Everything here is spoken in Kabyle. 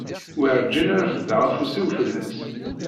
Werǧin rfideɣ afus-iw fell-as.